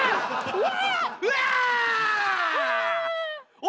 うわ！